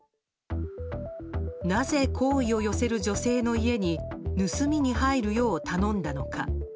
なぜ好意を寄せる女性の家に盗みに入るよう頼んだのか。